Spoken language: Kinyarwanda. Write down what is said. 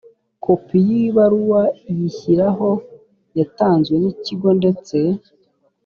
kopi y ibaruwa iyishyiraho yatanzwe n ikigo ndetse